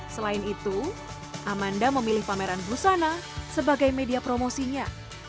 selain itu amanda memilih pameran busana sebagai media promosinya